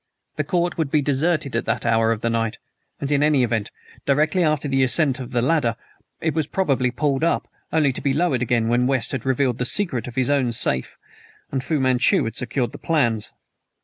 The court would be deserted at that hour of the night, and, in any event, directly after the ascent the ladder probably was pulled up, only to be lowered again when West had revealed the secret of his own safe and Fu Manchu had secured the plans.